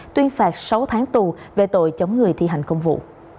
tuyên phạt sáu tháng tù về tội chống người thi hành công vụ